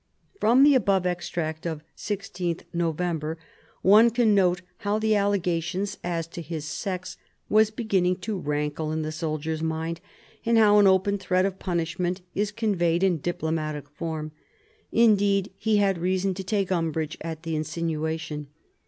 From the above extract of 16th November one can note how the allegation as to his sex was beginning to rankle in the soldier's mind, and how an open threat of punishment is conveyed in diplomatic form. Indeed he had reason to take umbrage at the insinuation.